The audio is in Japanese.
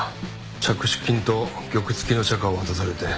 着手金と玉付きのチャカを渡されて。